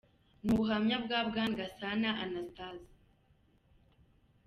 Ni ubuhamya bwa Bwana Gasana Anastase.